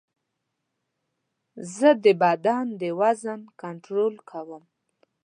زه د بدن د وزن کنټرول کوم.